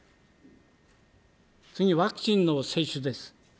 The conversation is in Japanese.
次は、ワクチンの接種です。